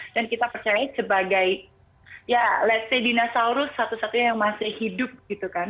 dan kita percaya sebagai ya let's say dinosaurus satu satunya yang masih hidup gitu kan